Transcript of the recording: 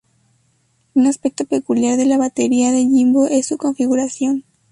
Un aspecto peculiar de la batería de Jimbo es su configuración.